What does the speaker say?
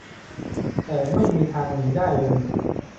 แต่ไม่มีทางหนีได้เลย